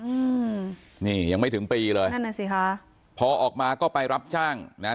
อืมนี่ยังไม่ถึงปีเลยนั่นน่ะสิคะพอออกมาก็ไปรับจ้างนะฮะ